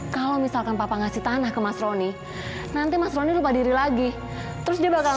kalau misalkan papa ngasih tanah ke mas roni nanti mas roni lupa diri lagi terus dia bakal